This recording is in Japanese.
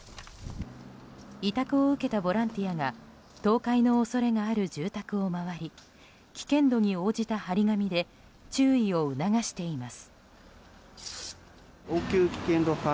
委託を受けたボランティアが倒壊の恐れがある住宅を回り危険度に応じた貼り紙で注意を促しています。